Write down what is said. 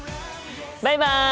バイバイ！